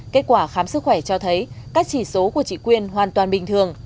kết quả khám sức khỏe cho thấy các chỉ số của chị quyên hoàn toàn bình thường